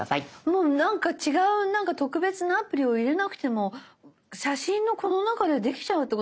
もうなんか違うなんか特別なアプリを入れなくても写真のこの中でできちゃうってことですか？